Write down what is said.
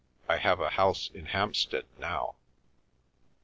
" I have a house in Hampstead now."